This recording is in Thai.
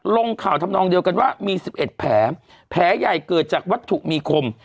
ลงข่าวทำนองเดียวกันว่ามี๑๑แผลใหญ่เกิดจากวัตถุมีคม